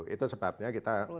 itu sebabnya kita